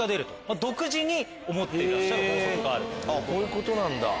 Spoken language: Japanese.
あっこういうことなんだ。